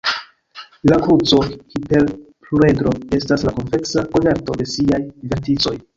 La kruco-hiperpluredro estas la konveksa koverto de siaj verticoj.